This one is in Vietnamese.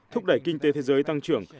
thúc đẩy kinh tế thế giới tăng trưởng